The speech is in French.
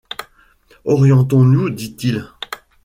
Orientons-nous, dit-il.